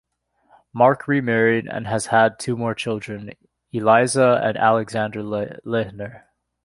Mark remarried and has had two more children, Eliza and Alexander Lehner.